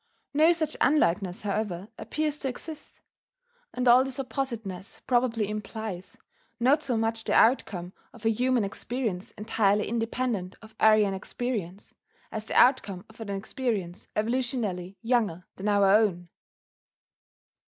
No such unlikeness, however, appears to exist; and all this oppositeness probably implies, not so much the outcome of a human experience entirely independent of Aryan experience, as the outcome of an experience evolutionally younger than our own.